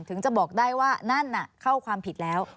ถึงจะบอกได้ว่านั่นเข้าความผิดแล้ว